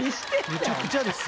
めちゃくちゃですよ。